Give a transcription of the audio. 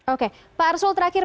oke pak arso terakhir